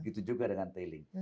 gitu juga dengan tailing